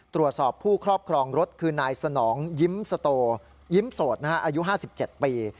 ตรวจสอบผู้ครอบครองรถคือนายสนองยิ้มสโตยิ้มโสดอายุ๕๗ปี